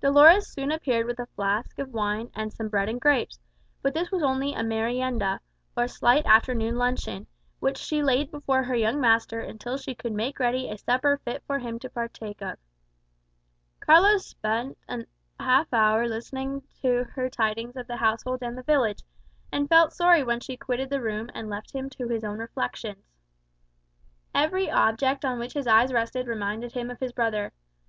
Dolores soon appeared with a flask of wine and some bread and grapes; but this was only a merienda, or slight afternoon luncheon, which she laid before her young master until she could make ready a supper fit for him to partake of. Carlos spent half an hour listening to her tidings of the household and the village, and felt sorry when she quitted the room and left him to his own reflections. Every object on which his eyes rested reminded him of his brother.